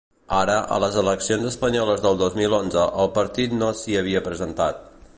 Ara, a les eleccions espanyoles del dos mil onze el partit no s’hi havia presentat.